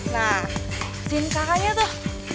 nah di sini kakaknya tuh